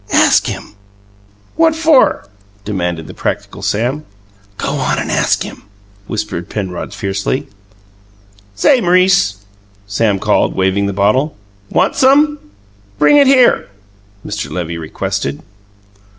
Ask him!" "What for?" demanded the practical Sam. "Go on and ask him!" whispered Penrod fiercely. "Say, M'rice!" Sam called, waving the bottle. "Want some?" "Bring it here!" Mr. Levy requested.